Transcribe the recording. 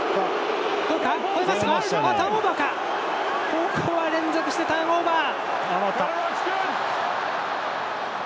ここは連続してターンオーバー！